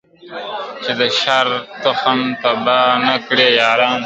چي د شر تخم تباه نه کړی یارانو !.